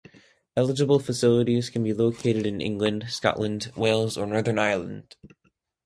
Eligible facilities can be located in England, Scotland, Wales or Northern Ireland.